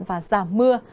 và giảm mưa